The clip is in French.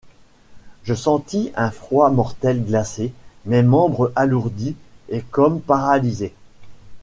Je sentis un froid mortel glacer mes membres alourdis et comme paralysés.